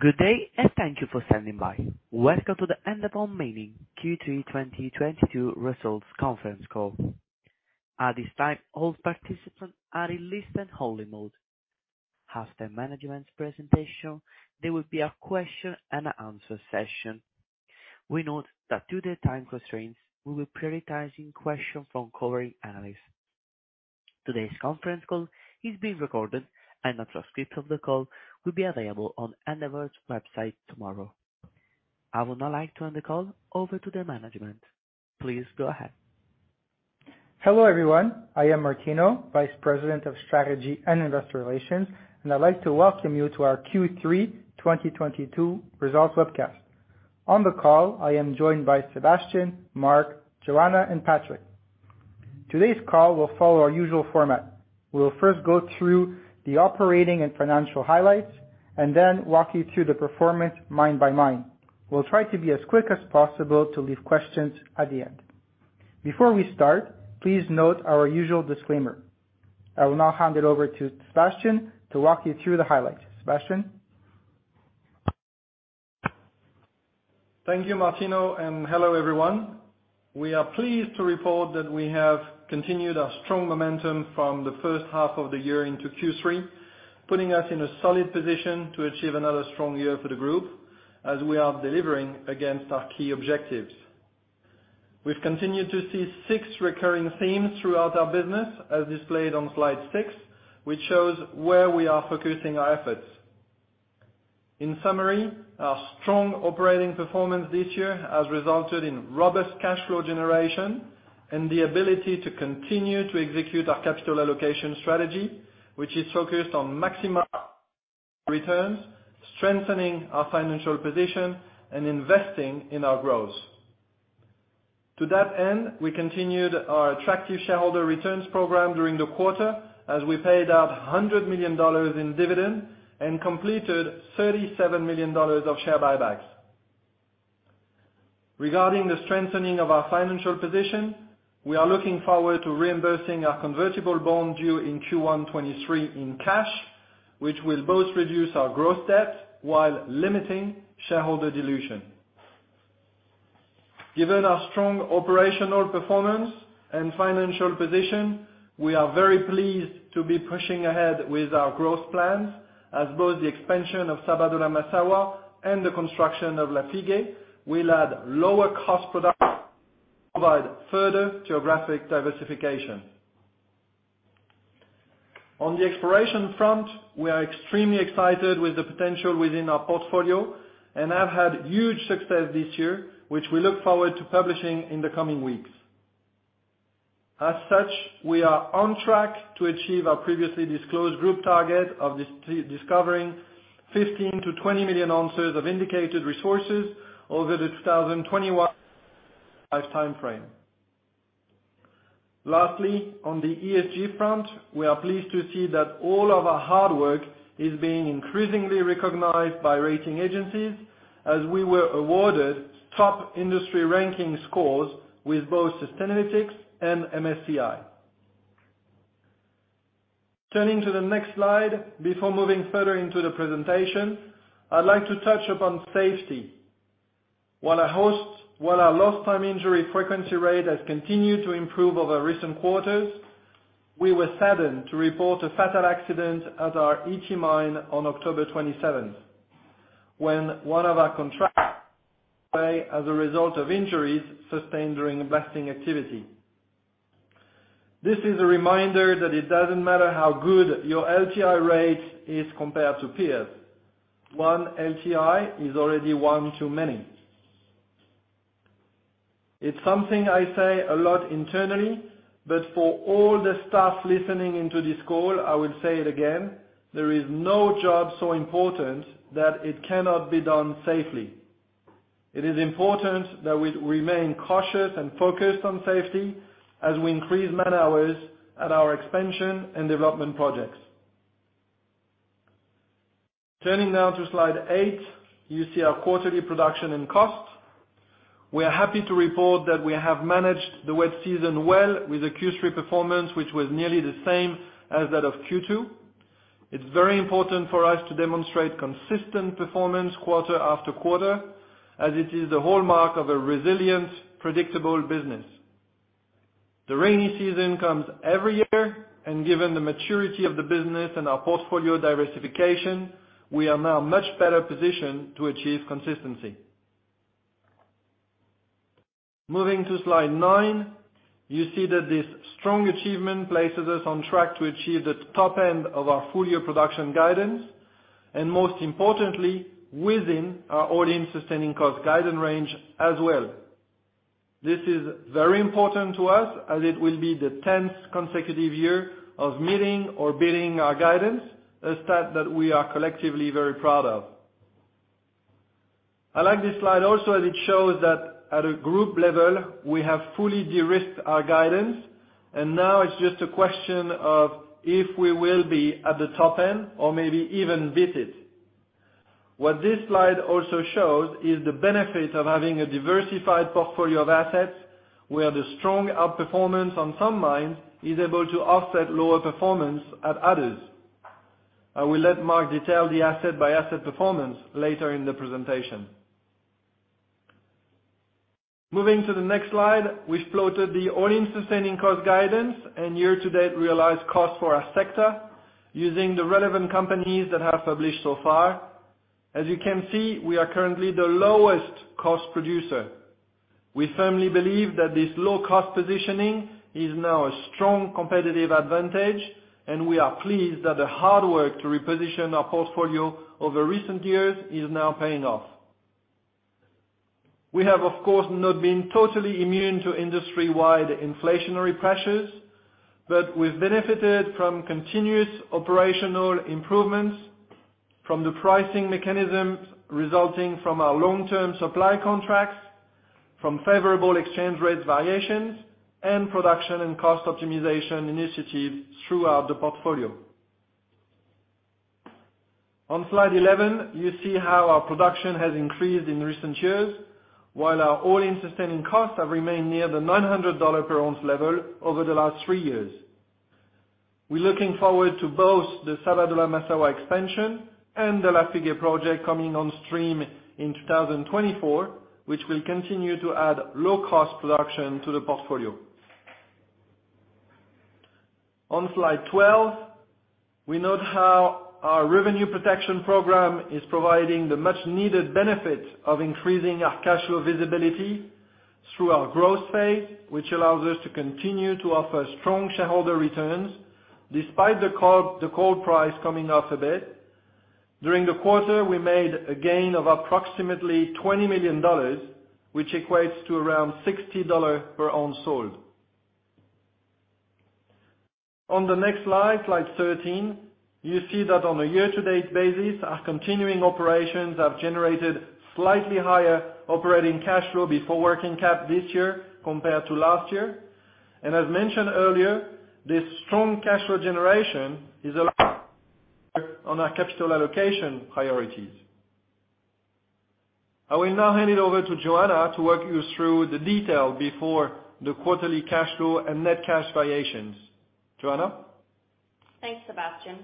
Good day, and thank you for standing by. Welcome to the Endeavour Mining Q3 2022 Results Conference Call. At this time, all participants are in listen-only mode. After management's presentation, there will be a question-and-answer session. We note that due to time constraints, we'll be prioritizing questions from covering analysts. Today's conference call is being recorded, and a transcript of the call will be available on Endeavour's website tomorrow. I would now like to turn the call over to the management. Please go ahead. Hello, everyone. I am Martino, Vice President of Strategy and Industrial Relations, and I'd like to welcome you to our Q3 2022 Results webcast. On the call, I am joined by Sébastien, Mark, Joanna, and Patrick. Today's call will follow our usual format. We will first go through the operating and financial highlights, and then walk you through the performance mine by mine. We'll try to be as quick as possible to leave questions at the end. Before we start, please note our usual disclaimer. I will now hand it over to Sébastien to walk you through the highlights. Sébastien? Thank you, Martino, and hello, everyone. We are pleased to report that we have continued our strong momentum from the first half of the year into Q3, putting us in a solid position to achieve another strong year for the group as we are delivering against our key objectives. We've continued to see six recurring themes throughout our business, as displayed on slide 6, which shows where we are focusing our efforts. In summary, our strong operating performance this year has resulted in robust cash flow generation and the ability to continue to execute our capital allocation strategy, which is focused on maximize returns, strengthening our financial position, and investing in our growth. To that end, we continued our attractive shareholder returns program during the quarter as we paid out $100 million in dividend and completed $37 million of share buybacks. Regarding the strengthening of our financial position, we are looking forward to reimbursing our convertible bond due in Q1 2023 in cash, which will both reduce our growth debt while limiting shareholder dilution. Given our strong operational performance and financial position, we are very pleased to be pushing ahead with our growth plans as both the expansion of Sabodala-Massawa and the construction of Lafigué will add lower cost product, provide further geographic diversification. On the exploration front, we are extremely excited with the potential within our portfolio and have had huge success this year, which we look forward to publishing in the coming weeks. As such, we are on track to achieve our previously disclosed group target of discovering 15 million-20 million ounces of indicated resources over the 2021 timeframe. Lastly, on the ESG front, we are pleased to see that all of our hard work is being increasingly recognized by rating agencies as we were awarded top industry ranking scores with both Sustainalytics and MSCI. Turning to the next slide before moving further into the presentation, I'd like to touch upon safety. While our lost time injury frequency rate has continued to improve over recent quarters, we were saddened to report a fatal accident at our Ity mine on October twenty-seventh, when one of our contractors as a result of injuries sustained during blasting activity. This is a reminder that it doesn't matter how good your LTI rate is compared to peers. One LTI is already one too many. It's something I say a lot internally, but for all the staff listening into this call, I will say it again, there is no job so important that it cannot be done safely. It is important that we remain cautious and focused on safety as we increase man-hours at our expansion and development projects. Turning now to slide 8, you see our quarterly production and cost. We are happy to report that we have managed the wet season well with a Q3 performance, which was nearly the same as that of Q2. It's very important for us to demonstrate consistent performance quarter after quarter, as it is the hallmark of a resilient, predictable business. The rainy season comes every year, and given the maturity of the business and our portfolio diversification, we are now much better positioned to achieve consistency. Moving to slide 9, you see that this strong achievement places us on track to achieve the top end of our full year production guidance, and most importantly, within our all-in sustaining cost guidance range as well. This is very important to us, as it will be the 10th consecutive year of meeting or beating our guidance, a stat that we are collectively very proud of. I like this slide also as it shows that at a group level, we have fully de-risked our guidance, and now it's just a question of if we will be at the top end or maybe even beat it. What this slide also shows is the benefit of having a diversified portfolio of assets, where the strong outperformance on some mines is able to offset lower performance at others. I will let Mark detail the asset by asset performance later in the presentation. Moving to the next slide, we've plotted the all-in sustaining cost guidance and year-to-date realized cost for our sector using the relevant companies that have published so far. As you can see, we are currently the lowest cost producer. We firmly believe that this low cost positioning is now a strong competitive advantage, and we are pleased that the hard work to reposition our portfolio over recent years is now paying off. We have, of course, not been totally immune to industry-wide inflationary pressures, but we've benefited from continuous operational improvements from the pricing mechanisms resulting from our long-term supply contracts, from favorable exchange rates variations, and production and cost optimization initiatives throughout the portfolio. On slide 11, you see how our production has increased in recent years, while our all-in sustaining costs have remained near the $900 per oz level over the last three years. We're looking forward to both the Sabodala-Massawa expansion and the Lafigué project coming on stream in 2024, which will continue to add low cost production to the portfolio. On slide 12, we note how our revenue protection program is providing the much needed benefit of increasing our cash flow visibility through our growth phase, which allows us to continue to offer strong shareholder returns despite the gold price coming up a bit. During the quarter, we made a gain of approximately $20 million, which equates to around $60 per oz sold. On the next slide 13, you see that on a year-to-date basis, our continuing operations have generated slightly higher operating cash flow before working cap this year compared to last year. As mentioned earlier, this strong cash flow generation is one of our capital allocation priorities. I will now hand it over to Joanna to walk you through the detail before the quarterly cash flow and net cash variations. Joanna? Thanks, Sébastien.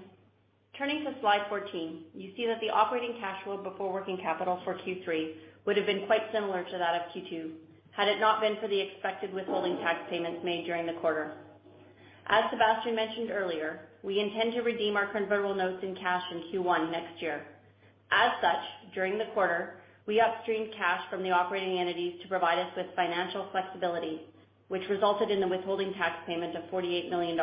Turning to slide 14, you see that the operating cash flow before working capital for Q3 would have been quite similar to that of Q2, had it not been for the expected withholding tax payments made during the quarter. As Sébastien mentioned earlier, we intend to redeem our convertible notes in cash in Q1 next year. As such, during the quarter, we upstreamed cash from the operating entities to provide us with financial flexibility, which resulted in the withholding tax payment of $48 million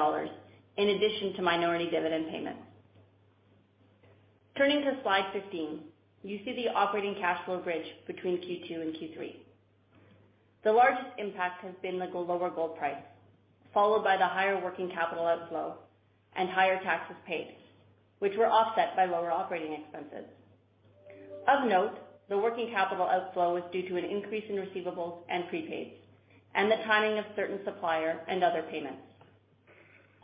in addition to minority dividend payments. Turning to slide 15, you see the operating cash flow bridge between Q2 and Q3. The largest impact has been the lower gold price, followed by the higher working capital outflow and higher taxes paid, which were offset by lower operating expenses. Of note, the working capital outflow is due to an increase in receivables and prepaids and the timing of certain supplier and other payments.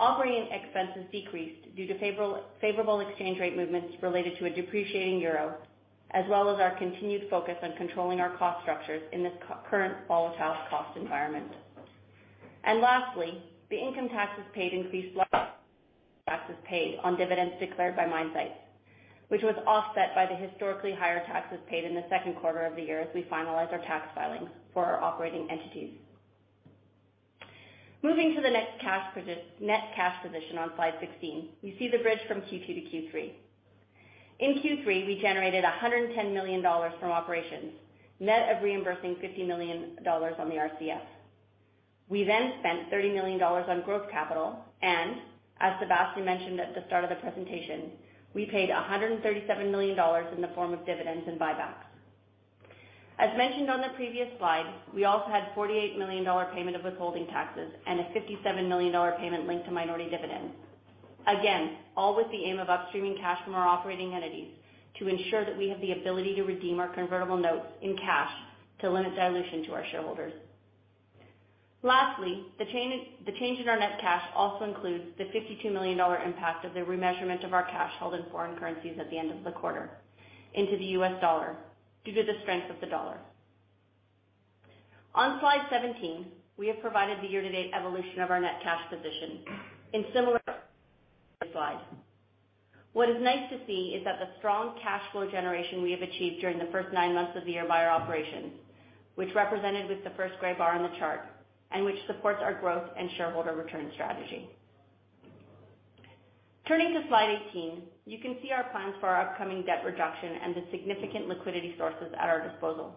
Operating expenses decreased due to favorable exchange rate movements related to a depreciating euro, as well as our continued focus on controlling our cost structures in this current volatile cost environment. Lastly, the income taxes paid increased, taxes paid on dividends declared by mine sites, which was offset by the historically higher taxes paid in the second quarter of the year as we finalized our tax filings for our operating entities. Moving to the net cash position on slide 16, we see the bridge from Q2 to Q3. In Q3, we generated $110 million from operations, net of reimbursing $50 million on the RCF. We spent $30 million on growth capital, and as Sébastien mentioned at the start of the presentation, we paid $137 million in the form of dividends and buybacks. As mentioned on the previous slide, we also had $48 million payment of withholding taxes and a $57 million payment linked to minority dividends. Again, all with the aim of upstreaming cash from our operating entities to ensure that we have the ability to redeem our convertible notes in cash to limit dilution to our shareholders. Lastly, the change in our net cash also includes the $52 million impact of the remeasurement of our cash held in foreign currencies at the end of the quarter into the US dollar due to the strength of the dollar. On slide 17, we have provided the year-to-date evolution of our net cash position in similar slide. What is nice to see is that the strong cash flow generation we have achieved during the first 9 months of the year by our operations, which represented with the first gray bar on the chart, and which supports our growth and shareholder return strategy. Turning to slide 18, you can see our plans for our upcoming debt reduction and the significant liquidity sources at our disposal.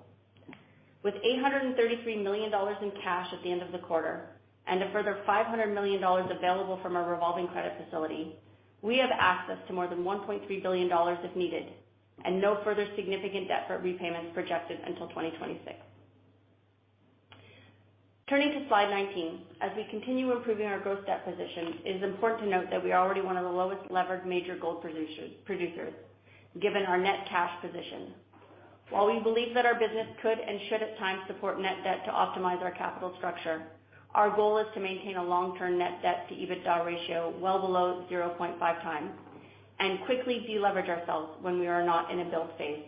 With $833 million in cash at the end of the quarter, and a further $500 million available from our revolving credit facility, we have access to more than $1.3 billion if needed and no further significant debt for repayments projected until 2026. Turning to slide 19. As we continue improving our growth debt position, it is important to note that we are already one of the lowest levered major gold producers, given our net cash position. While we believe that our business could and should at times support net debt to optimize our capital structure, our goal is to maintain a long-term net debt to EBITDA ratio well below 0.5x and quickly deleverage ourselves when we are not in a build phase.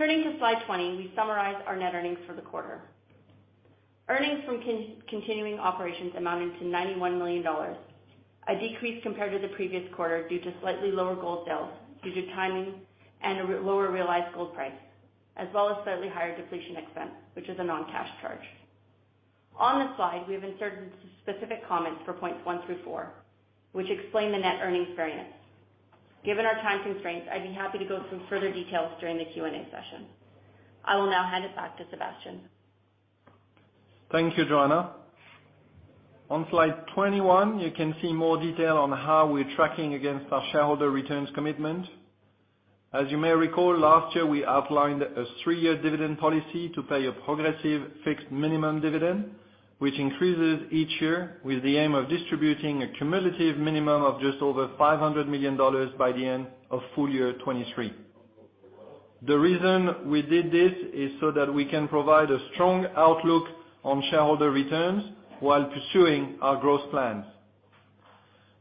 Turning to slide 20, we summarize our net earnings for the quarter. Earnings from continuing operations amounted to $91 million, a decrease compared to the previous quarter due to slightly lower gold sales due to timing and a lower realized gold price, as well as slightly higher depletion expense, which is a non-cash charge. On this slide, we have inserted specific comments for points 1 through 4, which explain the net earnings variance. Given our time constraints, I'd be happy to go through further details during the Q&A session. I will now hand it back to Sébastien. Thank you, Joanna. On slide 21, you can see more detail on how we're tracking against our shareholder returns commitment. As you may recall, last year we outlined a three-year dividend policy to pay a progressive fixed minimum dividend, which increases each year with the aim of distributing a cumulative minimum of just over $500 million by the end of full year 2023. The reason we did this is so that we can provide a strong outlook on shareholder returns while pursuing our growth plans.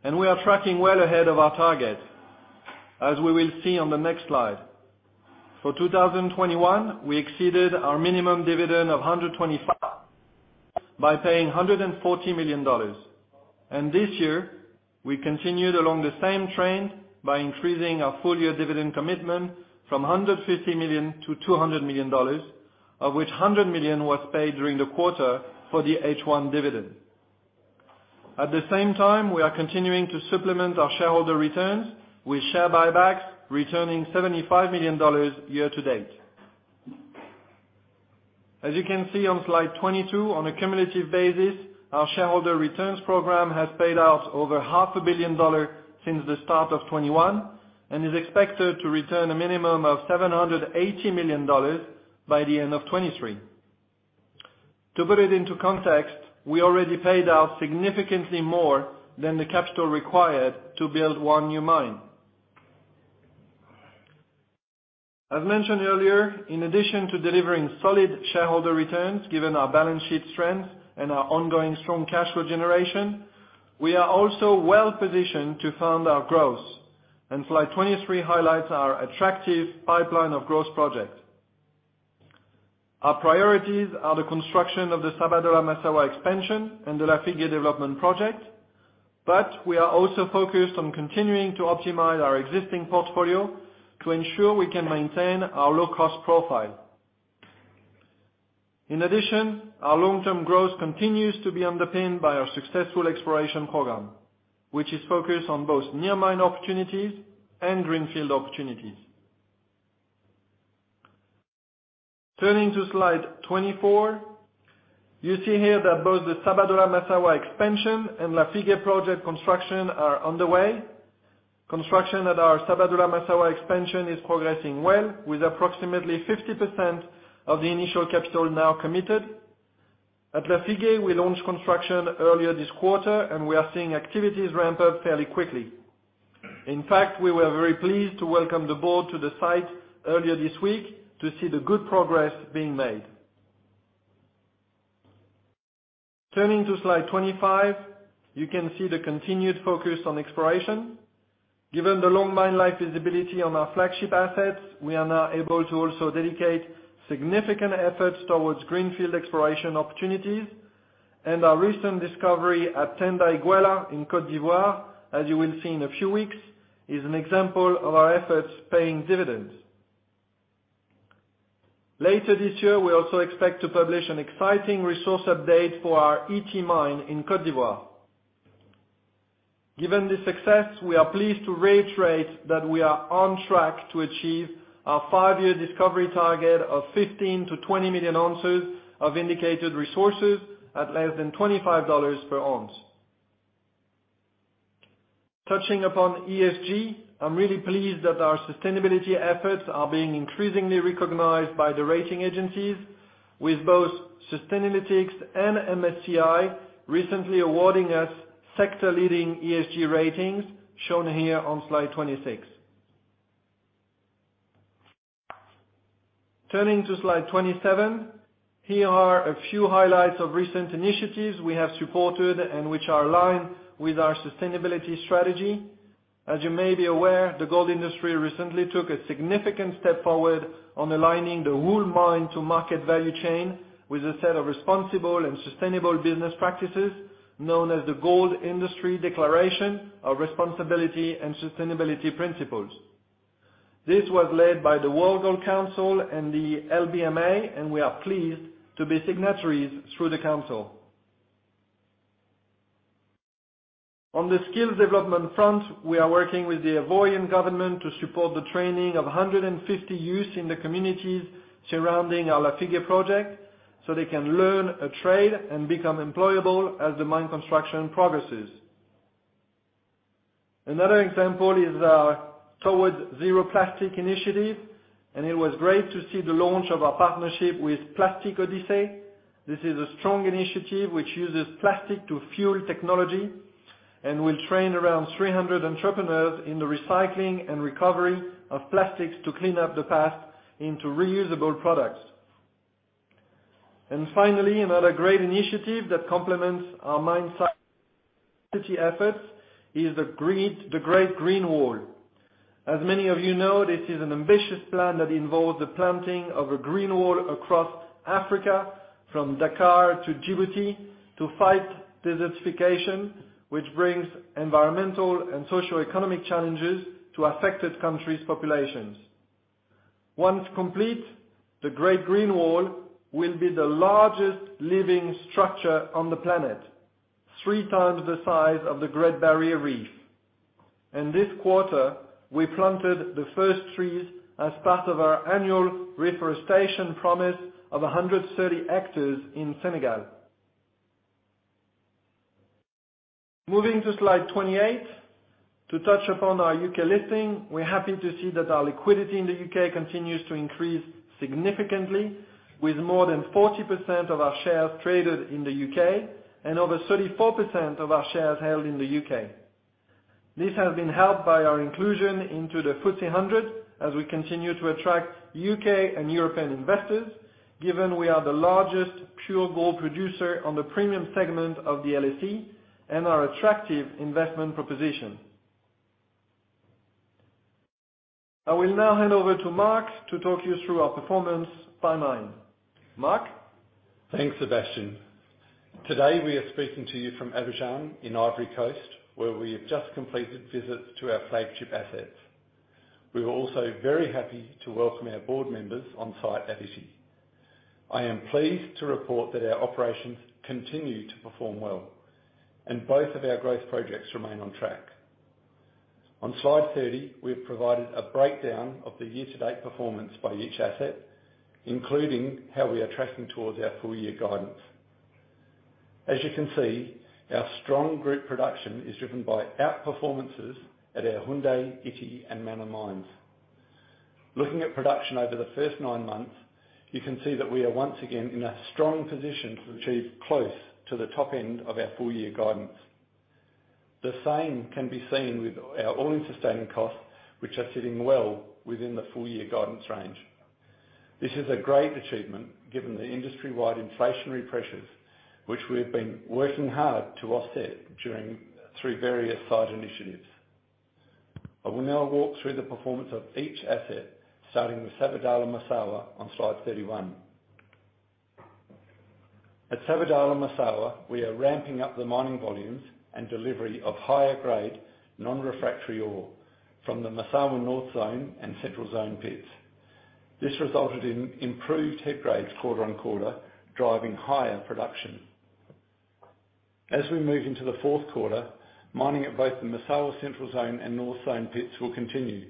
We are tracking well ahead of our target, as we will see on the next slide. For 2021, we exceeded our minimum dividend of $125 million by paying $140 million. This year, we continued along the same trend by increasing our full year dividend commitment from $150 million to $200 million, of which $100 million was paid during the quarter for the H1 dividend. At the same time, we are continuing to supplement our shareholder returns with share buybacks, returning $75 million year-to-date. As you can see on slide 22, on a cumulative basis, our shareholder returns program has paid out over half a billion dollars since the start of 2021 and is expected to return a minimum of $780 million by the end of 2023. To put it into context, we already paid out significantly more than the capital required to build one new mine. As mentioned earlier, in addition to delivering solid shareholder returns, given our balance sheet strength and our ongoing strong cash flow generation, we are also well-positioned to fund our growth. Slide 23 highlights our attractive pipeline of growth projects. Our priorities are the construction of the Sabodala-Massawa expansion and the Lafigué development project, but we are also focused on continuing to optimize our existing portfolio to ensure we can maintain our low cost profile. In addition, our long-term growth continues to be underpinned by our successful exploration program, which is focused on both near mine opportunities and greenfield opportunities. Turning to slide 24, you see here that both the Sabodala-Massawa expansion and Lafigué project construction are underway. Construction at our Sabodala-Massawa expansion is progressing well, with approximately 50% of the initial capital now committed. At Lafigué, we launched construction earlier this quarter, and we are seeing activities ramp up fairly quickly. In fact, we were very pleased to welcome the board to the site earlier this week to see the good progress being made. Turning to slide 25, you can see the continued focus on exploration. Given the long mine life visibility on our flagship assets, we are now able to also dedicate significant efforts towards greenfield exploration opportunities and our recent discovery at Tanda-Iguela in Côte d'Ivoire, as you will see in a few weeks, is an example of our efforts paying dividends. Later this year, we also expect to publish an exciting resource update for our Ity mine in Côte d'Ivoire. Given this success, we are pleased to reiterate that we are on track to achieve our five-year discovery target of 15-20 million ounces of indicated resources at less than $25 per oz. Touching upon ESG, I'm really pleased that our sustainability efforts are being increasingly recognized by the rating agencies, with both Sustainalytics and MSCI recently awarding us sector-leading ESG ratings, shown here on slide 26. Turning to slide 27, here are a few highlights of recent initiatives we have supported and which are aligned with our sustainability strategy. As you may be aware, the gold industry recently took a significant step forward on aligning the whole mine-to-market value chain with a set of responsible and sustainable business practices known as the Gold Industry Declaration of Responsibility and Sustainability Principles. This was led by the World Gold Council and the LBMA, and we are pleased to be signatories through the council. On the skills development front, we are working with the Ivoirian government to support the training of 150 youths in the communities surrounding our Lafigué project, so they can learn a trade and become employable as the mine construction progresses. Another example is our Towards Zero Plastic initiative, and it was great to see the launch of our partnership with Plastic Odyssey. This is a strong initiative which uses plastic to fuel technology. Will train around 300 entrepreneurs in the recycling and recovery of plastics to clean up the path into reusable products. Finally, another great initiative that complements our mine site city efforts is the Great Green Wall. As many of you know, this is an ambitious plan that involves the planting of a green wall across Africa from Dakar to Djibouti to fight desertification, which brings environmental and socioeconomic challenges to affected countries' populations. Once complete, the Great Green Wall will be the largest living structure on the planet, three times the size of the Great Barrier Reef. This quarter, we planted the first trees as part of our annual reforestation promise of 130 hectares in Senegal. Moving to slide 28, to touch upon our UK listing, we're happy to see that our liquidity in the U.K. continues to increase significantly, with more than 40% of our shares traded in the U.K., and over 34% of our shares held in the U.K. This has been helped by our inclusion into the FTSE 100 as we continue to attract U.K. and European investors, given we are the largest pure gold producer on the premium segment of the LSE and our attractive investment proposition. I will now hand over to Mark to talk you through our performance by mine. Mark? Thanks, Sébastien. Today, we are speaking to you from Abidjan in Ivory Coast, where we have just completed visits to our flagship assets. We are also very happy to welcome our board members on site at Ity. I am pleased to report that our operations continue to perform well, and both of our growth projects remain on track. On slide 30, we have provided a breakdown of the year-to-date performance by each asset, including how we are tracking towards our full year guidance. As you can see, our strong group production is driven by outperformances at our Houndé, Ity, and Mana mines. Looking at production over the first nine months, you can see that we are once again in a strong position to achieve close to the top end of our full year guidance. The same can be seen with our all-in sustaining costs, which are sitting well within the full year guidance range. This is a great achievement given the industry-wide inflationary pressures, which we have been working hard to offset through various site initiatives. I will now walk through the performance of each asset, starting with Sabodala and Massawa on slide 31. At Sabodala and Massawa, we are ramping up the mining volumes and delivery of higher grade non-refractory ore from the Massawa North Zone and Central Zone pits. This resulted in improved head grades quarter-over-quarter, driving higher production. As we move into the fourth quarter, mining at both the Massawa Central Zone and North Zone pits will continue,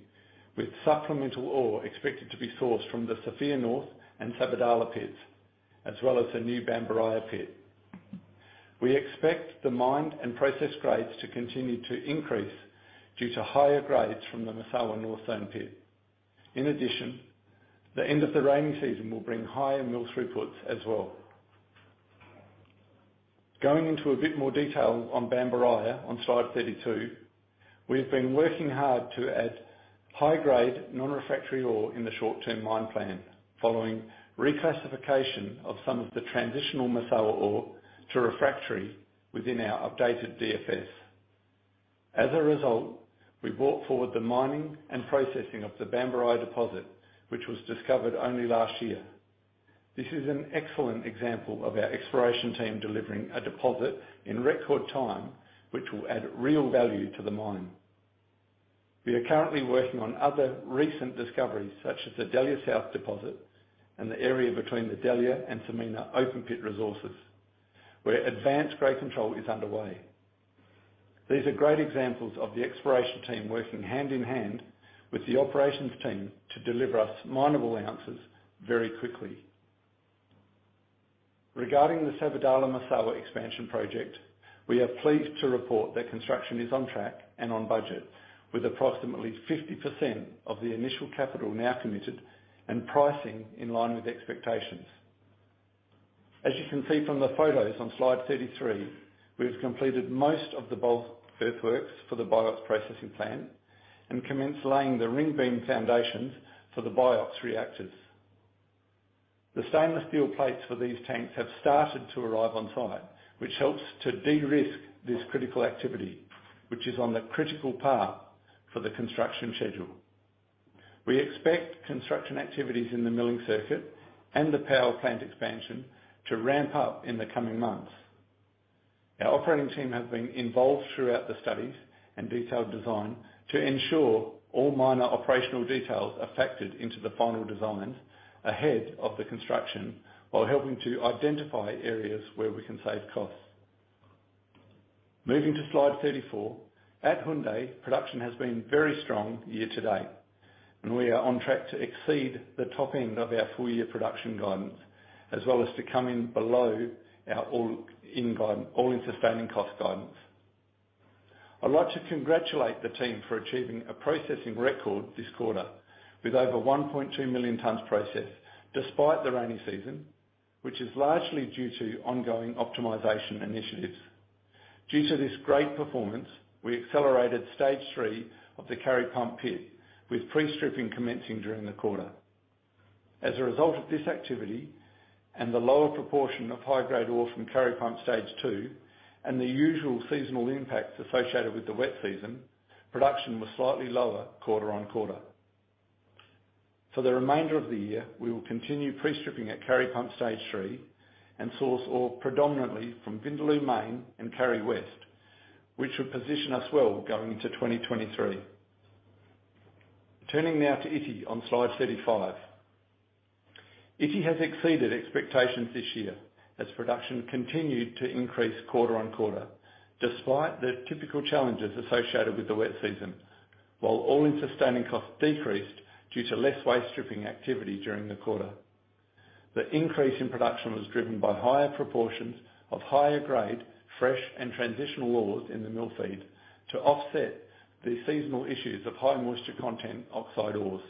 with supplemental ore expected to be sourced from the Sofia North and Sabodala pits, as well as the new Bambaraya pit. We expect the mined and processed grades to continue to increase due to higher grades from the Massawa North Zone pit. In addition, the end of the rainy season will bring higher mill throughputs as well. Going into a bit more detail on Bambaraya on slide 32, we have been working hard to add high-grade, non-refractory ore in the short-term mine plan following reclassification of some of the transitional Massawa ore to refractory within our updated DFS. As a result, we brought forward the mining and processing of the Bambaraya deposit, which was discovered only last year. This is an excellent example of our exploration team delivering a deposit in record time, which will add real value to the mine. We are currently working on other recent discoveries, such as the Delya South deposit and the area between the Delya and Samina open pit resources, where advanced grade control is underway. These are great examples of the exploration team working hand in hand with the operations team to deliver us mineable answers very quickly. Regarding the Sabodala-Massawa expansion project, we are pleased to report that construction is on track and on budget, with approximately 50% of the initial capital now committed and pricing in line with expectations. As you can see from the photos on slide 33, we have completed most of the bulk earthworks for the BIOX processing plant and commenced laying the ring beam foundations for the BIOX reactors. The stainless steel plates for these tanks have started to arrive on site, which helps to de-risk this critical activity, which is on the critical path for the construction schedule. We expect construction activities in the milling circuit and the power plant expansion to ramp up in the coming months. Our operating team have been involved throughout the studies and detailed design to ensure all minor operational details are factored into the final designs ahead of the construction, while helping to identify areas where we can save costs. Moving to slide 34, at Houndé, production has been very strong year to date, and we are on track to exceed the top end of our full year production guidance, as well as to come in below our all-in sustaining cost guidance. I'd like to congratulate the team for achieving a processing record this quarter, with over 1.2 million tons processed despite the rainy season, which is largely due to ongoing optimization initiatives. Due to this great performance, we accelerated stage three of the Kari Pump pit, with pre-stripping commencing during the quarter. As a result of this activity, and the lower proportion of high-grade ore from Kari Pump Stage Two, and the usual seasonal impacts associated with the wet season, production was slightly lower quarter-on-quarter. For the remainder of the year, we will continue pre-stripping at Kari Pump Stage Three, and source ore predominantly from Houndé Main and Kari West, which would position us well going into 2023. Turning now to Ity on slide 35. Ity has exceeded expectations this year as production continued to increase quarter on quarter, despite the typical challenges associated with the wet season, while all-in sustaining costs decreased due to less waste stripping activity during the quarter. The increase in production was driven by higher proportions of higher grade, fresh and transitional ores in the mill feed to offset the seasonal issues of high moisture content oxide ores.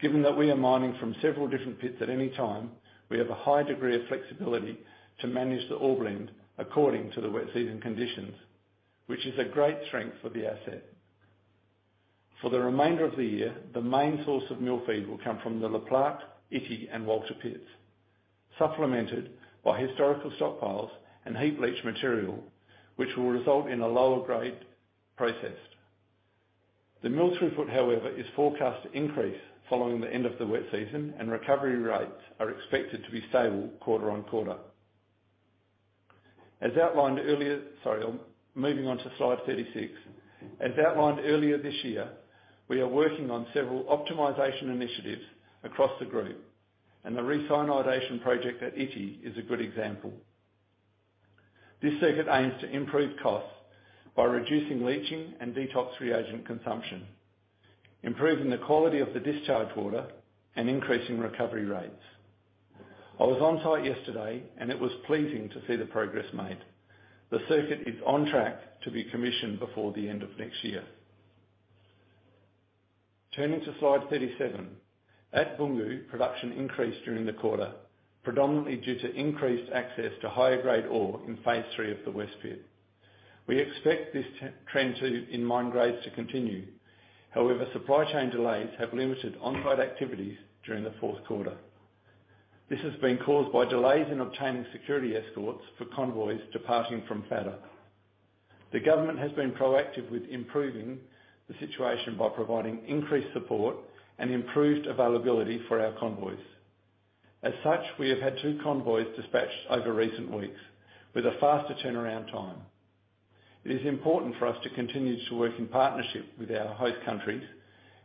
Given that we are mining from several different pits at any time, we have a high degree of flexibility to manage the ore blend according to the wet season conditions, which is a great strength for the asset. For the remainder of the year, the main source of mill feed will come from the Le Plaque, Ity and Walter pits, supplemented by historical stockpiles and heap leach material, which will result in a lower grade processed. The mill throughput, however, is forecast to increase following the end of the wet season, and recovery rates are expected to be stable quarter on quarter. Moving on to slide 36. As outlined earlier this year, we are working on several optimization initiatives across the group, and the re-cyanidation project at Ity is a good example. This circuit aims to improve costs by reducing leaching and detox reagent consumption, improving the quality of the discharge water, and increasing recovery rates. I was on-site yesterday and it was pleasing to see the progress made. The circuit is on track to be commissioned before the end of next year. Turning to slide 37. At Boungou, production increased during the quarter, predominantly due to increased access to higher grade ore in phase III of the West pit. We expect this trend to continue in mine grades. However, supply chain delays have limited on-grade activities during the fourth quarter. This has been caused by delays in obtaining security escorts for convoys departing from Fada. The government has been proactive with improving the situation by providing increased support and improved availability for our convoys. As such, we have had two convoys dispatched over recent weeks with a faster turnaround time. It is important for us to continue to work in partnership with our host countries,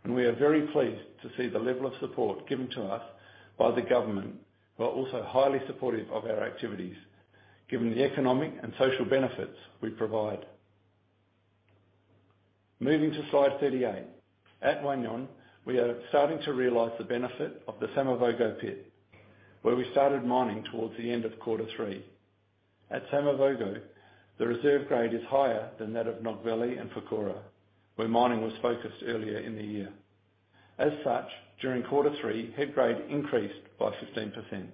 and we are very pleased to see the level of support given to us by the government, who are also highly supportive of our activities, given the economic and social benefits we provide. Moving to slide 38. At Wahgnion, we are starting to realize the benefit of the Samavogo pit, where we started mining towards the end of quarter three. At Samavogo, the reserve grade is higher than that of Nogbele and Fourkoura, where mining was focused earlier in the year. As such, during quarter three, head grade increased by 15%.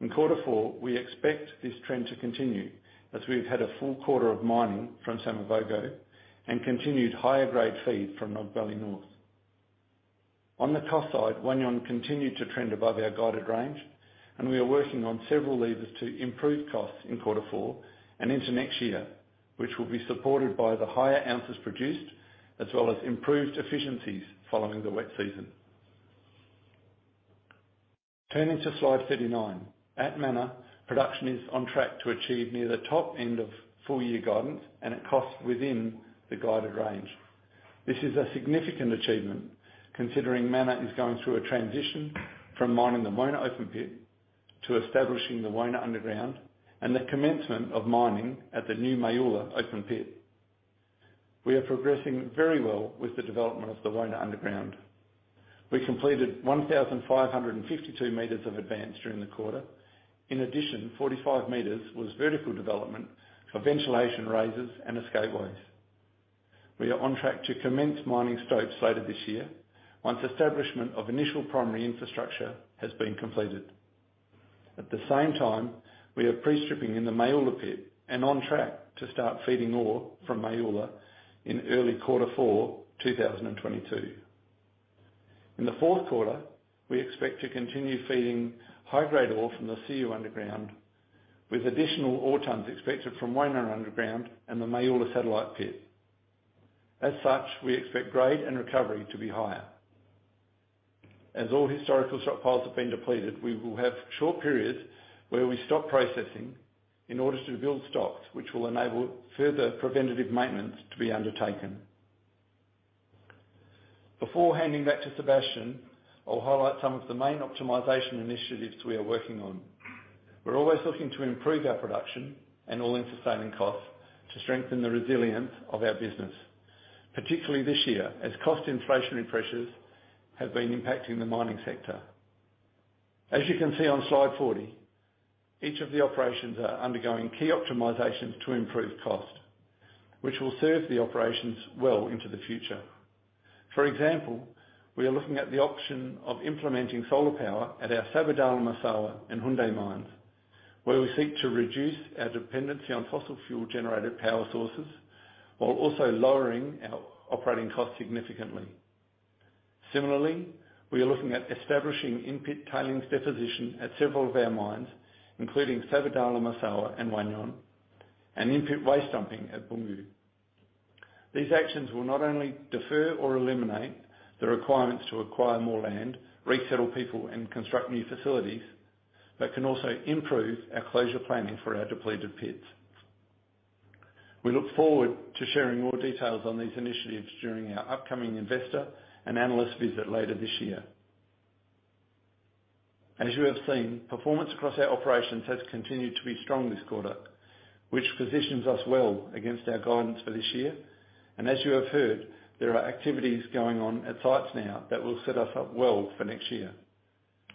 In quarter four, we expect this trend to continue as we've had a full quarter of mining from Samavogo and continued higher grade feed from Nogbele North. On the cost side, Wahgnion continued to trend above our guided range, and we are working on several levers to improve costs in quarter four and into next year, which will be supported by the higher ounces produced, as well as improved efficiencies following the wet season. Turning to slide 39. At Mana, production is on track to achieve near the top end of full year guidance and at costs within the guided range. This is a significant achievement, considering Mana is going through a transition from mining the Maoula open pit to establishing the Maoula underground and the commencement of mining at the new Maoula open pit. We are progressing very well with the development of the Maoula underground. We completed 1,552 meters of advance during the quarter. In addition, 45 meters was vertical development for ventilation raises and escape ways. We are on track to commence mining. As you can see on slide 40. Each of the operations are undergoing key optimizations to improve cost, which will serve the operations well into the future. For example, we are looking at the option of implementing solar power at our Sabodala-Massawa and Houndé mines, where we seek to reduce our dependency on fossil fuel generated power sources while also lowering our operating costs significantly. Similarly, we are looking at establishing in-pit tailings deposition at several of our mines, including Sabodala-Massawa and Wahgnion, and in-pit waste dumping at Boungou. These actions will not only defer or eliminate the requirements to acquire more land, resettle people, and construct new facilities, but can also improve our closure planning for our depleted pits. We look forward to sharing more details on these initiatives during our upcoming investor and analyst visit later this year. As you have seen, performance across our operations has continued to be strong this quarter, which positions us well against our guidance for this year. As you have heard, there are activities going on at sites now that will set us up well for next year.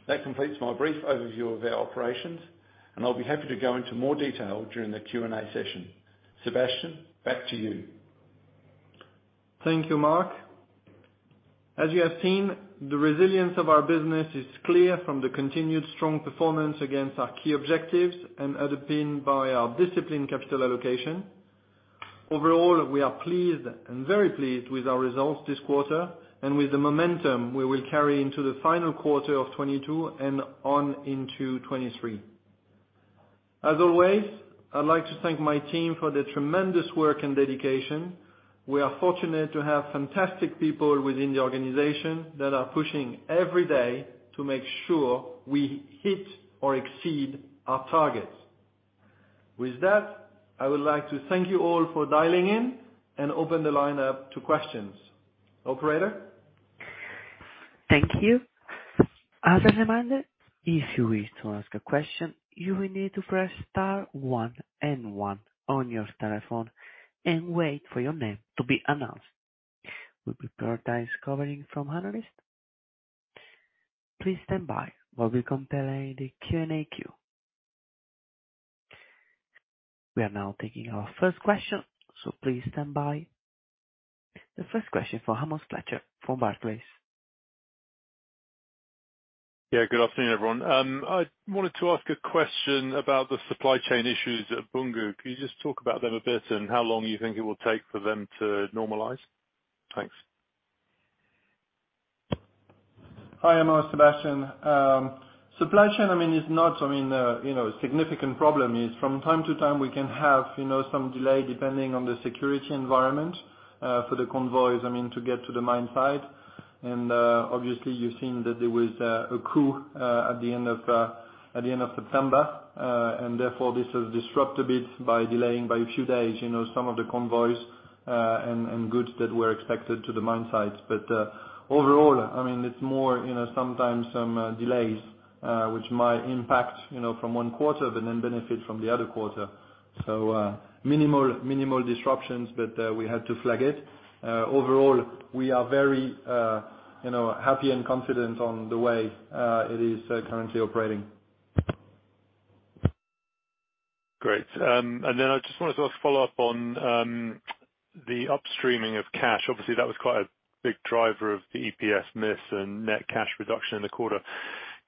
That completes my brief overview of our operations, and I'll be happy to go into more detail during the Q&A session. Sébastien, back to you. Thank you, Mark. As you have seen, the resilience of our business is clear from the continued strong performance against our key objectives and underpinned by our disciplined capital allocation. Overall, we are pleased and very pleased with our results this quarter and with the momentum we will carry into the final quarter of 2022 and on into 2023. As always, I'd like to thank my team for the tremendous work and dedication. We are fortunate to have fantastic people within the organization that are pushing every day to make sure we hit or exceed our targets. With that, I would like to thank you all for dialing in and open the line up to questions. Operator? Thank you. As a reminder, if you wish to ask a question, you will need to press star one and one on your telephone and wait for your name to be announced. We prioritize questions from analysts. Please stand by while we compile the Q&A queue. We are now taking our first question, so please stand by. The first question for Amos Fletcher from Barclays. Yeah, good afternoon, everyone. I wanted to ask a question about the supply chain issues at Boungou. Can you just talk about them a bit and how long you think it will take for them to normalize? Thanks. Hi, I'm Sébastien. Supply chain, I mean, is not, I mean, you know, a significant problem. It's from time to time we can have, you know, some delay depending on the security environment for the convoys, I mean, to get to the mine site. Obviously you've seen that there was a coup at the end of September. Therefore this has disrupted things by delaying by a few days, you know, some of the convoys and goods that were expected to the mine sites. Overall, I mean, it's more, you know, sometimes some delays which might impact, you know, from one quarter but then benefit from the other quarter. Minimal disruptions, but we had to flag it. Overall, we are very, you know, happy and confident on the way it is currently operating. Great. I just wanted to follow up on the upstreaming of cash. Obviously, that was quite a big driver of the EPS miss and net cash reduction in the quarter.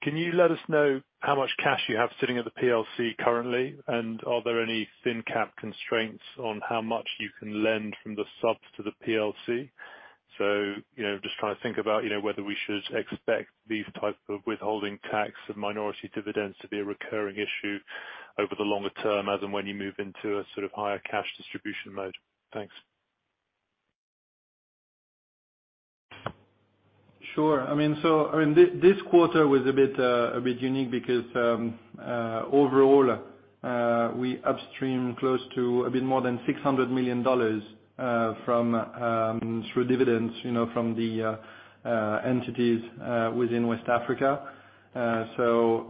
Can you let us know how much cash you have sitting at the PLC currently? And are there any thin cap constraints on how much you can lend from the sub to the PLC? So, you know, just trying to think about, you know, whether we should expect these type of withholding tax of minority dividends to be a recurring issue over the longer term, as in when you move into a sort of higher cash distribution mode. Thanks. Sure. I mean, this quarter was a bit unique because overall, we upstreamed close to a bit more than $600 million from through dividends, you know, from the entities within West Africa.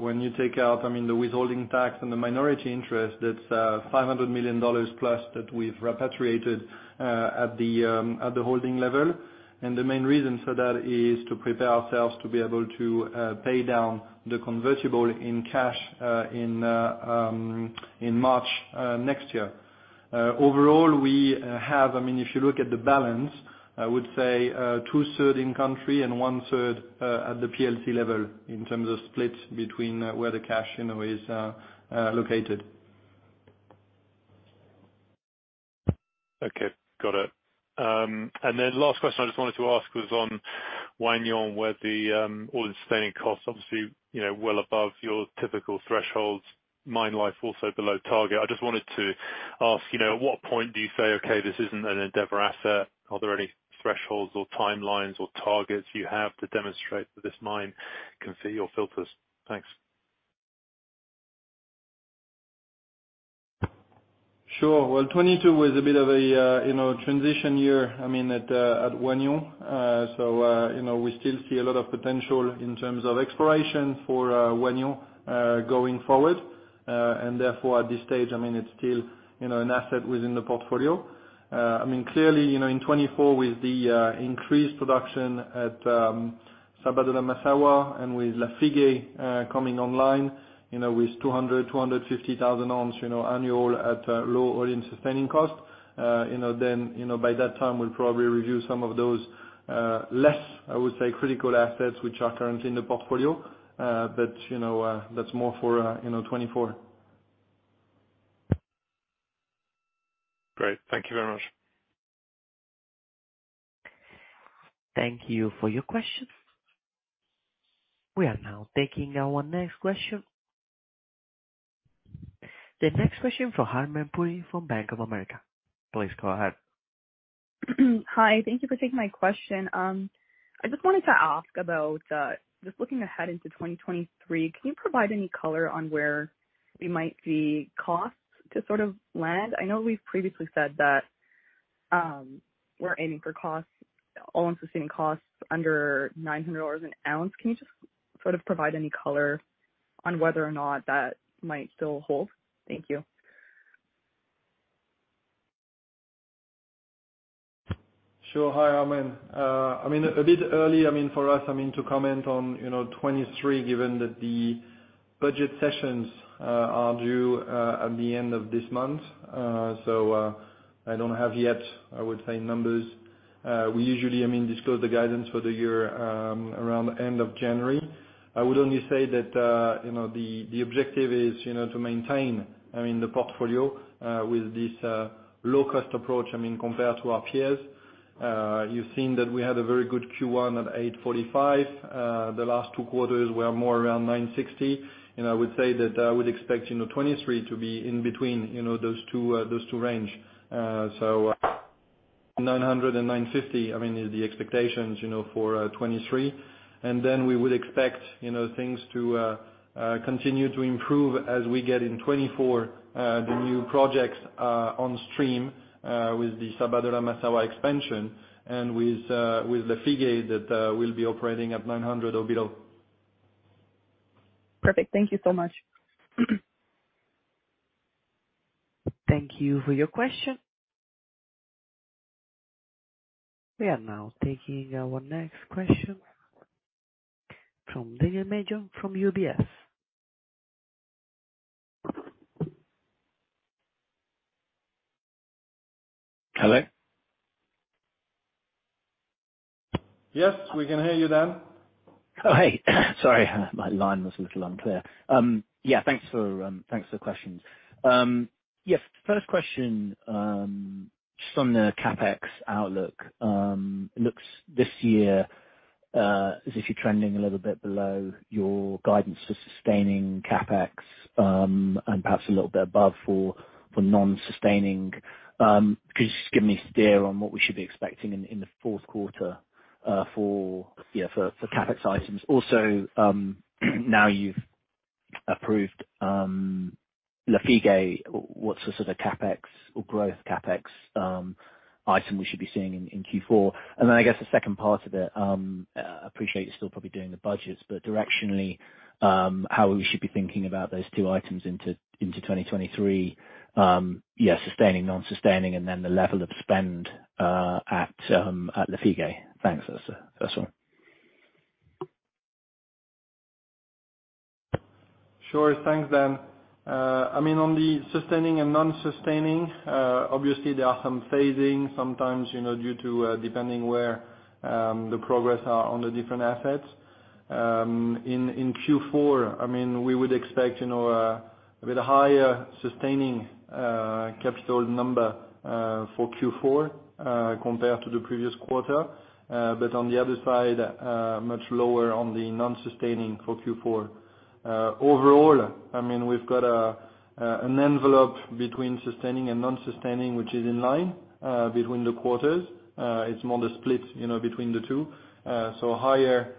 When you take out the withholding tax and the minority interest, that's $500 million+ that we've repatriated at the holding level. The main reason for that is to prepare ourselves to be able to pay down the convertible in cash in March next year. Overall, we have, I mean, if you look at the balance, I would say, 2/3 in country and 1/3 at the PLC level in terms of split between where the cash in a way is located. Okay. Got it. Last question I just wanted to ask was on Wahgnion, where the all-in sustaining costs, obviously, you know, well above your typical thresholds, mine life also below target. I just wanted to ask, you know, at what point do you say, "Okay, this isn't an Endeavour asset." Are there any thresholds or timelines or targets you have to demonstrate that this mine can fit your filters? Thanks. Sure. Well, 2022 was a bit of a, you know, transition year, I mean, at Wahgnion. You know, we still see a lot of potential in terms of exploration for Wahgnion going forward. Therefore, at this stage, I mean, it's still, you know, an asset within the portfolio. I mean, clearly, you know, in 2024 with the increased production at Sabodala-Massawa and with Lafigué coming online, you know, with 250,000 oz annual at low all-in sustaining cost. You know, then, you know, by that time we'll probably review some of those less, I would say, critical assets which are currently in the portfolio. But, you know, that's more for 2024. Great. Thank you very much. Thank you for your question. We are now taking our next question. The next question from Harmen Puri from Bank of America. Please go ahead. Hi. Thank you for taking my question. I just wanted to ask about, just looking ahead into 2023, can you provide any color on where we might see costs to sort of land? I know we've previously said that, we're aiming for costs, all-in sustaining costs under $900 an ounce. Can you just sort of provide any color on whether or not that might still hold? Thank you. Sure. Hi, Harman. I mean, a bit early, I mean, for us, I mean, to comment on, you know, 2023, given that the budget sessions are due at the end of this month. I don't have yet, I would say, numbers. We usually, I mean, disclose the guidance for the year around end of January. I would only say that, you know, the objective is, you know, to maintain, I mean, the portfolio with this low-cost approach, I mean, compared to our peers. You've seen that we had a very good Q1 at $845. The last two quarters were more around $960, and I would say that I would expect, you know, 2023 to be in between, you know, those two range. 950, I mean, is the expectations, you know, for 2023. Then we would expect, you know, things to continue to improve as we get in 2024, the new projects on stream, with the Sabodala-Massawa expansion and with the Lafigué that will be operating at $900 or below. Perfect. Thank you so much. Thank you for your question. We are now taking our next question from Daniel Major from UBS. Hello? Yes, we can hear you, Daniel. Oh, hey. Sorry, my line was a little unclear. Yeah, thanks for the questions. Yes, first question, just on the CapEx outlook. It looks this year as if you're trending a little bit below your guidance for sustaining CapEx, and perhaps a little bit above for non-sustaining. Could you just give me a steer on what we should be expecting in the fourth quarter for CapEx items? Also, now you've approved Lafigué, what sort of CapEx or growth CapEx item we should be seeing in Q4? I guess the second part of it, appreciate you're still probably doing the budgets, but directionally, how we should be thinking about those two items into 2023, sustaining, non-sustaining, and then the level of spend at Lafigué. Thanks. That's all. Sure. Thanks, Daniel. I mean, on the sustaining and non-sustaining, obviously there are some phasing sometimes, you know, due to, depending where the progress are on the different assets. In Q4, I mean, we would expect, you know, a bit higher sustaining capital number for Q4 compared to the previous quarter. But on the other side, much lower on the non-sustaining for Q4. Overall, I mean, we've got an envelope between sustaining and non-sustaining, which is in line between the quarters. It's more the split, you know, between the two. Higher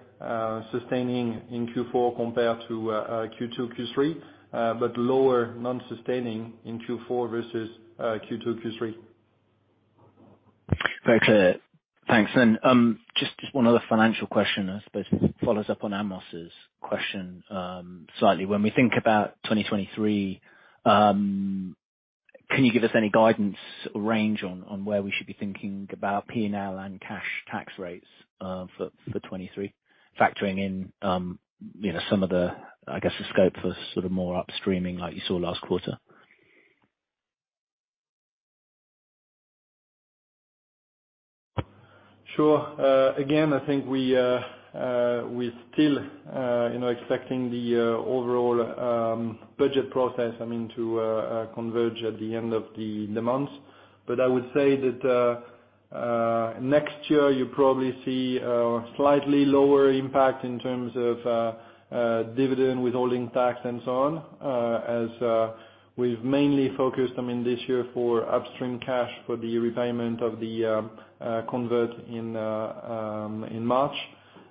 sustaining in Q4 compared to Q2, Q3, but lower non-sustaining in Q4 versus Q2, Q3. Very clear. Thanks. Just one other financial question I suppose, follows up on Amos' question, slightly. When we think about 2023, can you give us any guidance or range on where we should be thinking about P&L and cash tax rates for 2023, factoring in, you know, some of the, I guess, the scope for sort of more upstreaming like you saw last quarter? Sure. Again, I think we still, you know, expecting the overall budget process, I mean, to converge at the end of the month. I would say that next year you probably see a slightly lower impact in terms of dividend withholding tax and so on, as we've mainly focused, I mean, this year for upstream cash for the repayment of the convert in March.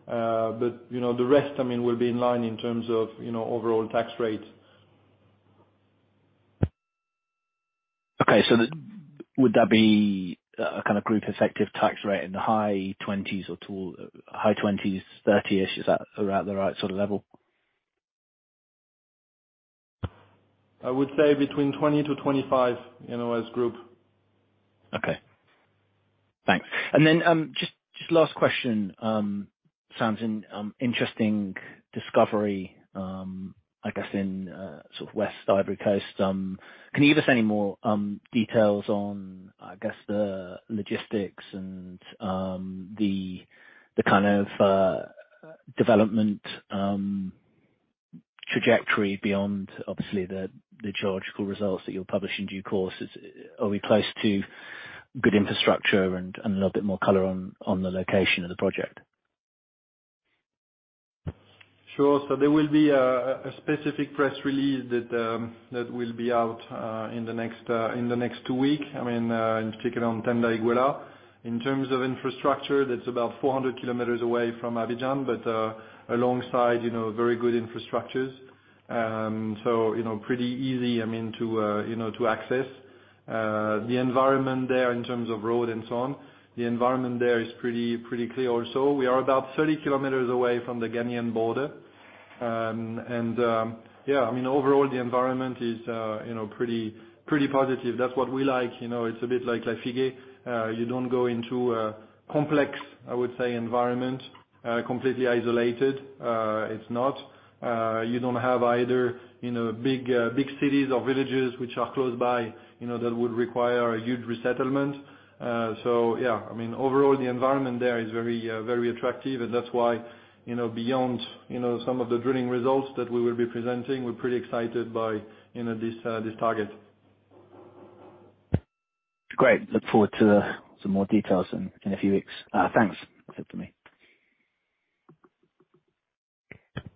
But, you know, the rest, I mean, will be in line in terms of, you know, overall tax rate. Would that be a kind of group effective tax rate in the high 20s or 30-ish? Is that around the right sort of level? I would say between 20 to 25, you know, as group. Okay. Thanks. Just last question. Sounds like an interesting discovery, I guess in sort of west Côte d'Ivoire. Can you give us any more details on, I guess, the logistics and the kind of development trajectory beyond obviously the geological results that you'll publish in due course? Are we close to good infrastructure? A little bit more color on the location of the project. Sure. There will be a specific press release that will be out in the next two weeks. I mean, in particular on Tanda-Iguela. In terms of infrastructure, that's about 400 km away from Abidjan, but alongside, you know, very good infrastructures. You know, pretty easy, I mean, to access. The environment there in terms of road and so on, the environment there is pretty clear also. We are about 30 km away from the Ghanaian border. Yeah, I mean, overall the environment is, you know, pretty positive. That's what we like. You know, it's a bit like Lafigué. You don't go into a complex, I would say, environment, completely isolated. It's not. You don't have either, you know, big cities or villages which are close by, you know, that would require a huge resettlement. Yeah, I mean, overall, the environment there is very attractive. That's why, you know, beyond, you know, some of the drilling results that we will be presenting, we're pretty excited by, you know, this target. Great. Look forward to some more details in a few weeks. Thanks. That's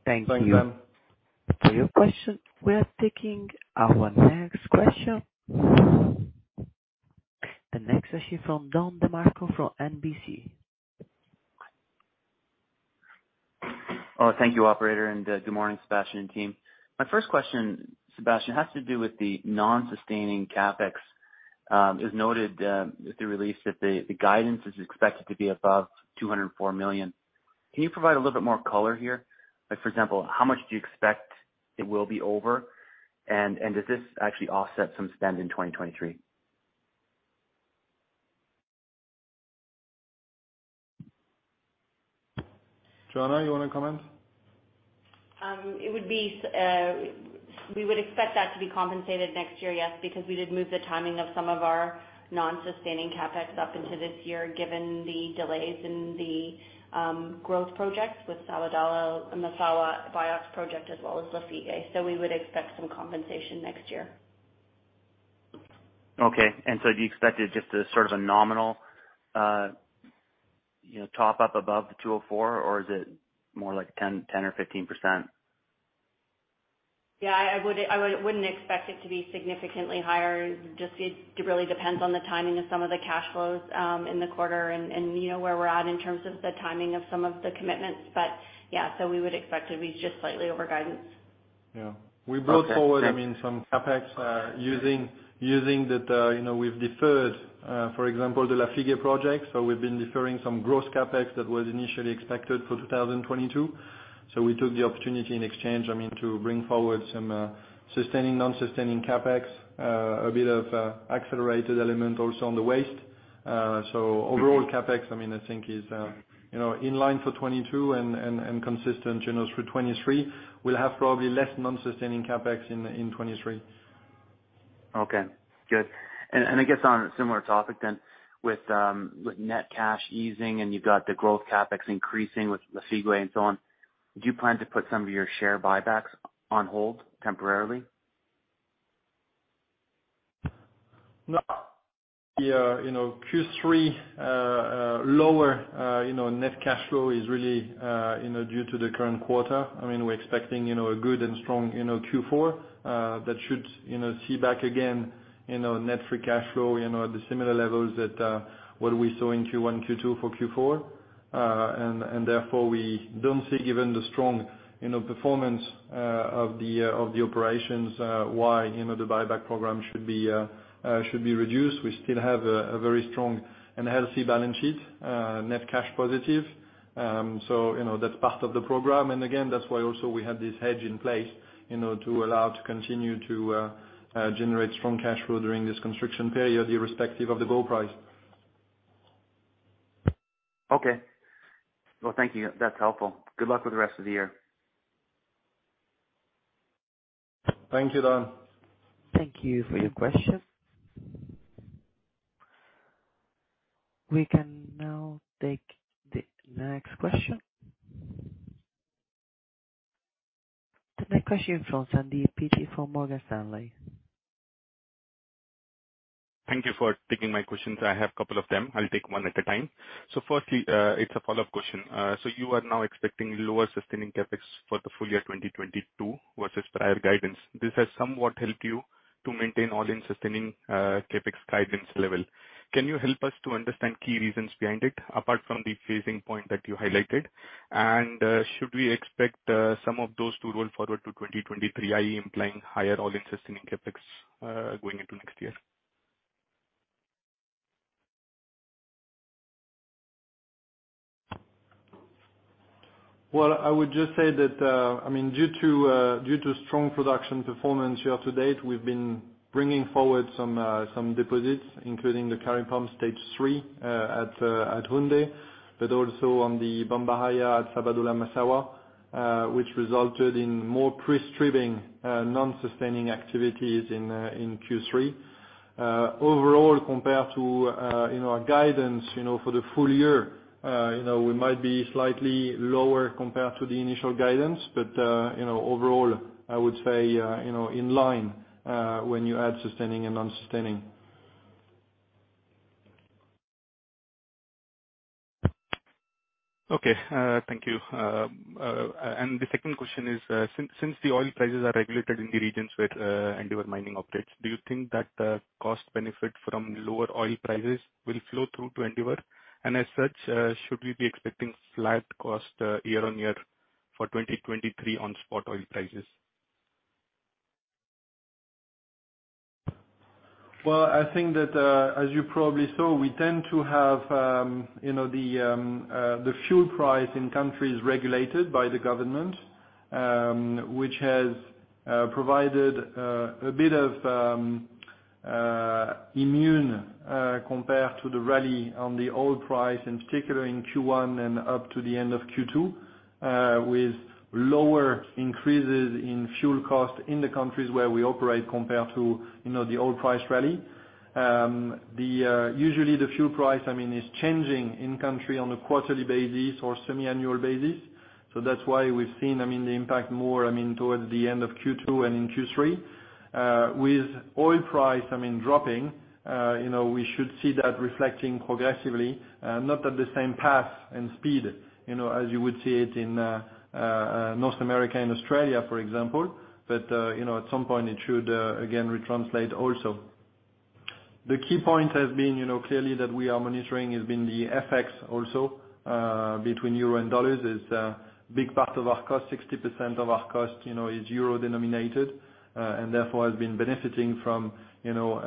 it for me. Thank you. Thank you for your question. We're taking our next question. The next question from Don DeMarco, from National Bank Financial. Thank you, operator, and good morning, Sébastien and team. My first question, Sébastien, has to do with the non-sustaining CapEx, as noted, with the release that the guidance is expected to be above $204 million. Can you provide a little bit more color here? Like, for example, how much do you expect it will be over? Does this actually offset some spend in 2023? Joanna, you wanna comment? We would expect that to be compensated next year, yes, because we did move the timing of some of our non-sustaining CapEx up into this year, given the delays in the growth projects with Fala-Fala and the Sabodala-Massawa BIOX project as well as Lafigué. We would expect some compensation next year. Do you expect it just as sort of a nominal top up above the $204, or is it more like 10% or 15%? Yeah, I wouldn't expect it to be significantly higher. It really depends on the timing of some of the cash flows in the quarter and you know, where we're at in terms of the timing of some of the commitments. Yeah, we would expect to be just slightly over guidance. Yeah. We brought forward, I mean some CapEx using that, you know, we've deferred for example, the Lafigué project. We've been deferring some gross CapEx that was initially expected for 2022. We took the opportunity in exchange, I mean, to bring forward some sustaining, non-sustaining CapEx, a bit of accelerated element also on the waste. Overall CapEx, I mean, I think is, you know, in line for 2022 and consistent through 2023. We'll have probably less non-sustaining CapEx in 2023. Okay, good. I guess on a similar topic then, with net cash easing and you've got the growth CapEx increasing with Lafigué and so on, do you plan to put some of your share buybacks on hold temporarily? No. The you know Q3 lower you know net cash flow is really you know due to the current quarter. I mean, we're expecting you know a good and strong you know Q4 that should you know see back again you know net free cash flow you know at the similar levels that what we saw in Q1, Q2 for Q4. Therefore, we don't see given the strong you know performance of the of the operations why you know the buyback program should be reduced. We still have a very strong and healthy balance sheet net cash positive. So you know that's part of the program. Again, that's why also we have this hedge in place, you know, to allow to continue to generate strong cash flow during this construction period, irrespective of the gold price. Okay. Well, thank you. That's helpful. Good luck with the rest of the year. Thank you, Don. Thank you for your question. We can now take the next question. The next question from Sandeep Peety, from Morgan Stanley. Thank you for taking my questions. I have a couple of them. I'll take one at a time. Firstly, it's a follow-up question. You are now expecting lower sustaining CapEx for the full year 2022 versus prior guidance. This has somewhat helped you to maintain all-in sustaining CapEx guidance level. Can you help us to understand key reasons behind it, apart from the phasing point that you highlighted? Should we expect some of those to roll forward to 2023, i.e. implying higher all-in sustaining CapEx going into next year? I would just say that, I mean, due to strong production performance year to date, we've been bringing forward some deposits, including the Kari Pump Stage 3 at Houndé, but also on the Bambaraya at Sabodala-Massawa, which resulted in more pre-stripping, non-sustaining activities in Q3. Overall, compared to, you know, our guidance, you know, for the full year, you know, we might be slightly lower compared to the initial guidance, but, you know, overall, I would say, you know, in line, when you add sustaining and non-sustaining. Okay. Thank you. The second question is, since the oil prices are regulated in the regions where Endeavour Mining operates, do you think that the cost benefit from lower oil prices will flow through to Endeavour? As such, should we be expecting flat cost year on year for 2023 on spot oil prices? Well, I think that, as you probably saw, we tend to have, you know, the fuel price in countries regulated by the government, which has provided a bit of immunity compared to the rally in the oil price, in particular in Q1 and up to the end of Q2, with lower increases in fuel costs in the countries where we operate compared to, you know, the oil price rally. Usually the fuel price, I mean, is changing in country on a quarterly basis or semiannual basis. That's why we've seen, I mean, the impact more, I mean, towards the end of Q2 and in Q3. With oil price, I mean, dropping, you know, we should see that reflecting progressively, not at the same path and speed, you know, as you would see it in North America and Australia, for example. You know, at some point it should again retranslate also. The key point has been, you know, clearly that we are monitoring has been the FX also between euro and dollars is a big part of our cost. 60% of our cost, you know, is euro denominated. Therefore has been benefiting from, you know,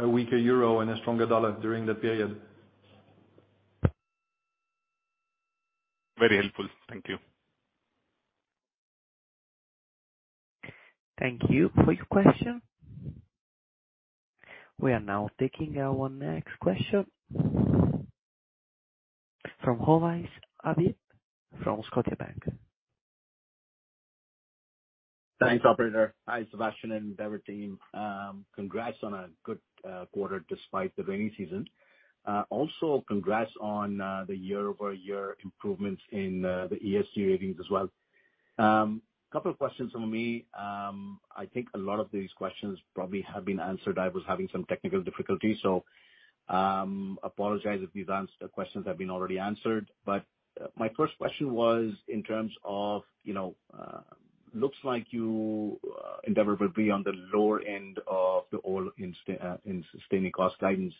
a weaker euro and a stronger dollar during the period. Very helpful. Thank you. Thank you for your question. We are now taking our next question from Ovais Habib from Scotiabank. Thanks, operator. Hi, Sébastien and Endeavour team. Congrats on a good quarter despite the rainy season. Also congrats on the year-over-year improvements in the ESG ratings as well. Couple of questions from me. I think a lot of these questions probably have been answered. I was having some technical difficulties, so apologize if these questions have been already answered. My first question was in terms of, you know, looks like you, Endeavour will be on the lower end of the all-in sustaining cost guidance,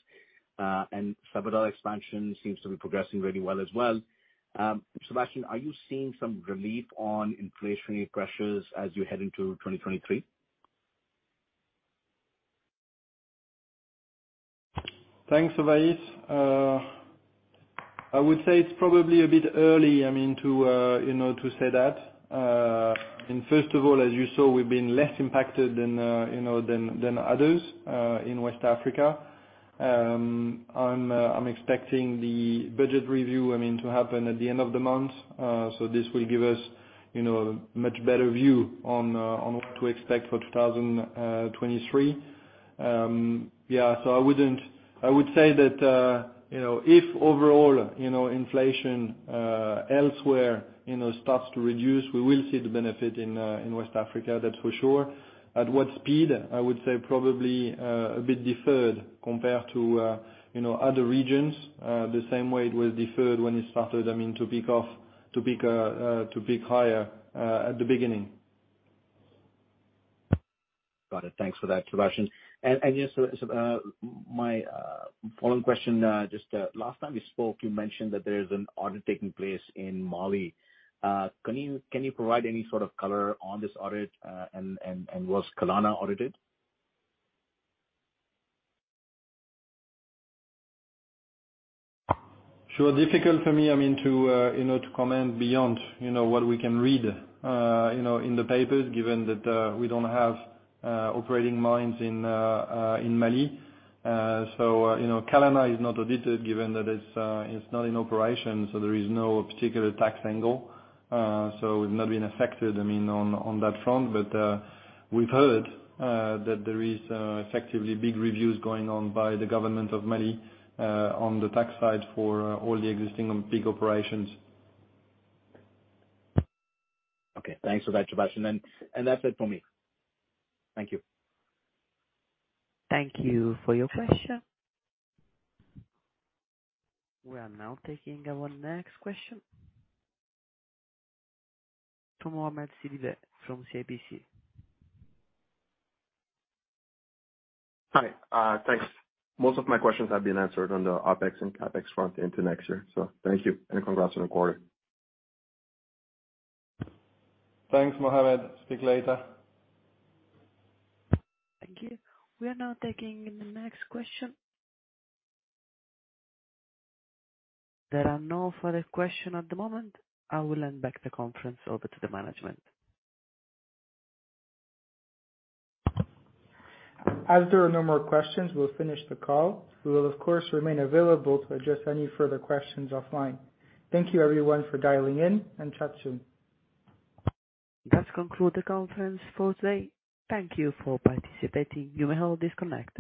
and Sabodala expansion seems to be progressing really well as well. Sébastien, are you seeing some relief on inflationary pressures as you head into 2023? Thanks, Ovais. I would say it's probably a bit early, I mean, you know, to say that. First of all, as you saw, we've been less impacted than others in West Africa. I'm expecting the budget review, I mean, to happen at the end of the month. This will give us, you know, a much better view on what to expect for 2023. Yeah. I would say that, you know, if overall, you know, inflation elsewhere, you know, starts to reduce, we will see the benefit in West Africa, that's for sure. At what speed? I would say probably a bit deferred compared to, you know, other regions, the same way it was deferred when it started. I mean, to peak higher at the beginning. Got it. Thanks for that, Sébastien. Just my following question, just last time we spoke, you mentioned that there is an audit taking place in Mali. Can you provide any sort of color on this audit, and was Kalana audited? Sure. Difficult for me, I mean, to you know, to comment beyond, you know, what we can read, you know, in the papers, given that we don't have operating mines in Mali. You know, Kalana is not audited given that it's not in operation, so there is no particular tax angle. We've not been affected, I mean, on that front. We've heard that there is effectively big reviews going on by the government of Mali on the tax side for all the existing and big operations. Okay. Thanks for that, Sébastien. That's it for me. Thank you. Thank you for your question. We are now taking our next question to Mohamed Sidibé from CIBC. Hi, thanks. Most of my questions have been answered on the OpEx and CapEx front into next year, so thank you, and congrats on the quarter. Thanks, Mohamed. Speak later. Thank you. We are now taking the next question. There are no further questions at the moment. I will hand back the conference over to the management. As there are no more questions, we'll finish the call. We will, of course, remain available to address any further questions offline. Thank you everyone for dialing in, and chat soon. That concludes the conference for today. Thank you for participating. You may all disconnect.